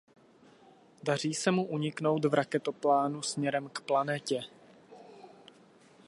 Daří se mu uniknout v raketoplánu směrem k planetě.